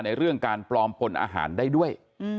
เรื่องการปลอมปนอาหารได้ด้วย